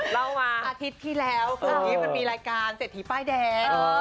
เล่ามาอาทิตย์ที่แล้วคืนนี้มันมีรายการเศรษฐีป้ายแดง